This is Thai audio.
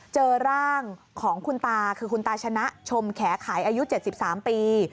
เจอร่างของคุณตาคือคุณตาชนะชมแขขายอายุ๗๓ปี